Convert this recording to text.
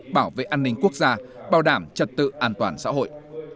bảo vệ an ninh quốc gia bảo đảm trật tự an toàn xã hội